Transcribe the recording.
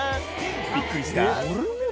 「びっくりした？」